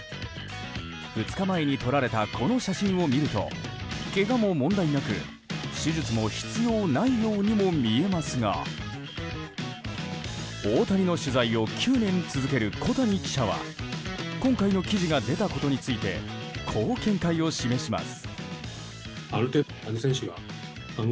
２日前に撮られたこの写真を見るとけがも問題なく、手術も必要ないようにもみえますが大谷の取材を９年続ける小谷記者は今回の記事が出たことについてこう見解を示します。